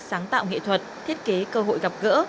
sáng tạo nghệ thuật thiết kế cơ hội gặp gỡ